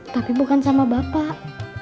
tapi bukan sama bapak